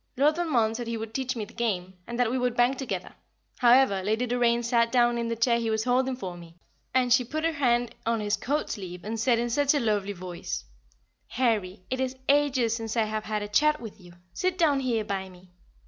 [Sidenote: Playing Baccarat] Lord Valmond said he would teach me the game, and that we would bank together; however, Lady Doraine sat down in the chair he was holding for me, and she put her hand on his coat sleeve and said in such a lovely voice, "Harry, it is ages since I have had a chat with you, sit down here by me."